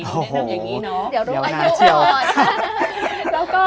แนะนำอย่างนี้เนาะ